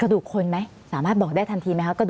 ดุคนไหมสามารถบอกได้ทันทีไหมคะ